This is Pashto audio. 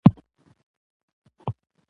سړی د زحمت خوږه پایله ویني